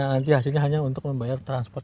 nanti hasilnya hanya untuk membayar transport